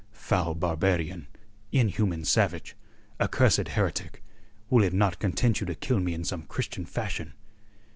"Foul barbarian! Inhuman savage! Accursed heretic! Will it not content you to kill me in some Christian fashion?"